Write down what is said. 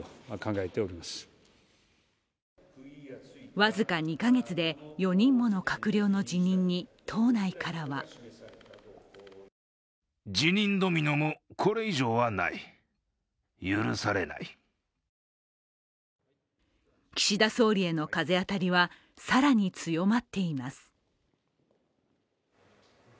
僅か２か月で４人もの閣僚の辞任に党内からは岸田総理への風当たりは更に強まっています。